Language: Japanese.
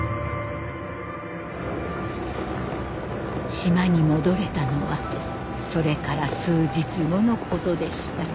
島に戻れたのはそれから数日後のことでした。